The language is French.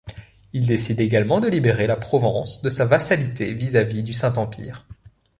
Il décide également de libérer la Provence de sa vassalité vis-à-vis du Saint-Empire.